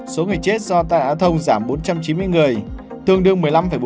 số người chết do tai nạn giao thông giảm bốn trăm chín mươi người tương đương một mươi năm bốn mươi ba